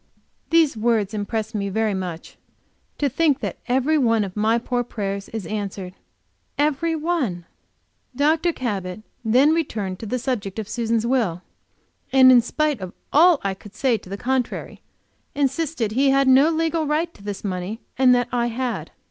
These words impressed me very much. To think that every one of my poor prayers is answered! Every one! Dr. Cabot then returned to the subject of Susan's will, and in spite of all I could say to the contrary, insisted that he had no legal right to this money, and that I had.